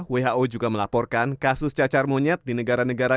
who juga melaporkan kasus cacar monyet di negara negara